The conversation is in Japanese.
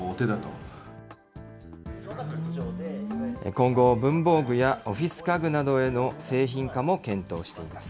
今後、文房具やオフィス家具などへの製品化も検討しています。